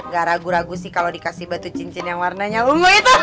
gak ragu ragu sih kalau dikasih batu cincin yang warnanya lembut